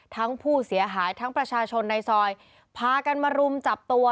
ทั้งผู้เสียหายทั้งประชาชนในซอยพากันมารุมจับตัว